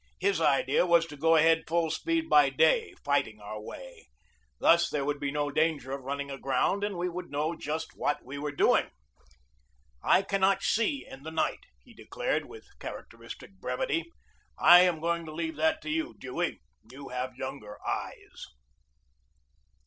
His idea was to go ahead full speed by day, fighting our way. Thus there would be no danger of running aground and we would know just what we were doing. "I cannot see in the night," he declared, with characteristic brevity. "I am going to leave that to you, Dewey. You have younger eyes."